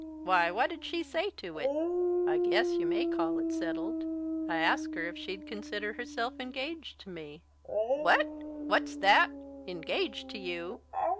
Why, what did she say to it?" "I guess you may call it settled. I asked her if she'd consider herself engaged to me " "What? What's that? Engaged to you?"